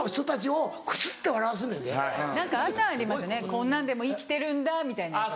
こんなんでも生きてるんだみたいなやつ。